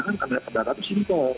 karena kebelakang itu simpor